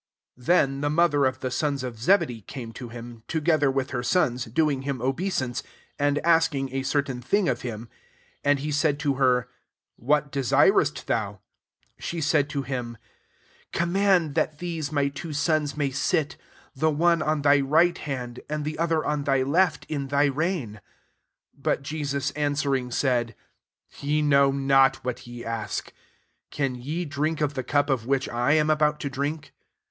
SO Thek, the mother of the sons ofZebedee came to him, together with her sons, doing him obeisance, and asking a cer tain thing of him. 21 And he said to her, " What desirest thou ?" She said to him, •' Com mand . ^at these my two sons may sit, the one on thy right hand and the other on thy left, in thy reign." 22 But Jesus answering, said, « Ye know not what ye ask. Can ye drink of the cup of which I. am about to drink